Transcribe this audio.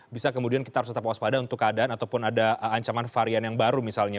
bisa kemudian kita harus tetap waspada untuk keadaan ataupun ada ancaman varian yang baru misalnya